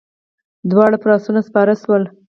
دواړه پر آسونو سپاره شول.